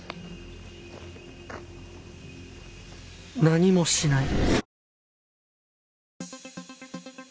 何もしない。